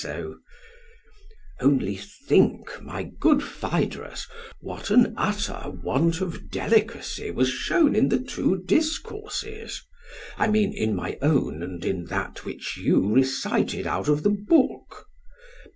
SOCRATES: Only think, my good Phaedrus, what an utter want of delicacy was shown in the two discourses; I mean, in my own and in that which you recited out of the book.